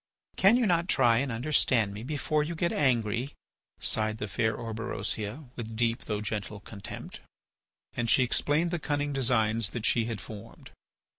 "Can you not try and understand me before you get angry?" sighed the fair Orberosia with deep though gentle contempt. And she explained the cunning designs that she had formed.